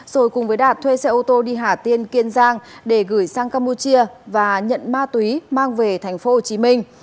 rồi cùng với đạt thuê xe ô tô đi hà tiên kiên giang để gửi sang campuchia và nhận ma túy mang về thành phố hồ chí minh